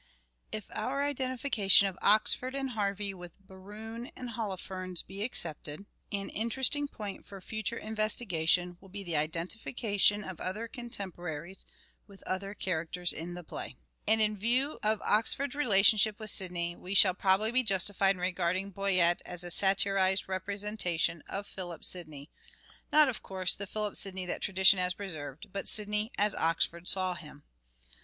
If our identification of Oxford and Harvey with Sidney's Berowne and Holofernes be accepted, an interesting affectatlon point for future investigation will be the identification of other contemporaries with other characters in the play ; and in view of Oxford's relationship with Sidney we shall probably be justified in regarding Boyet as a satirised representation of Philip Sidney ; not, of course, the Philip Sidney that tradition has preserved, but Sidney as Oxford saw him.